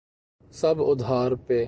سب ادھار پہ۔